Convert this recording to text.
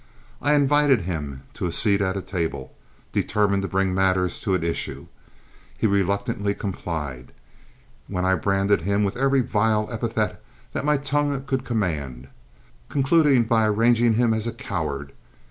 I invited him to a seat at a table, determined to bring matters to an issue. He reluctantly complied, when I branded him with every vile epithet that my tongue could command, concluding by arraigning him as a coward.